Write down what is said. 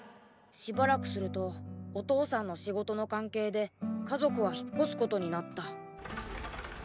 しばらくするとお父さんの仕事の関係で家族は引っ越すことになった。